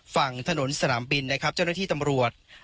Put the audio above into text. ฝั่งถนนสนามบินนะครับเจ้าหน้าที่ตำรวจ